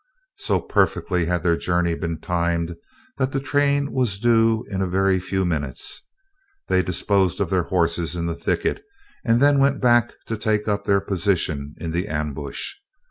So perfectly had their journey been timed that the train was due in a very few minutes. They disposed their horses in the thicket, and then went back to take up their position in the ambush.